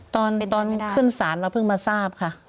ตอนขึ้นศาลเราเพิ่งมาทราบค่ะ